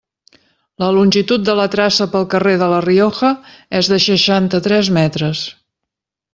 La longitud de la traça pel carrer de La Rioja és de seixanta-tres metres.